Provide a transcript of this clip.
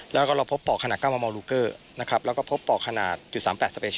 แล้วก็เราพบปอกขนาดนะครับแล้วก็พบปอกขนาดจุดสามแปด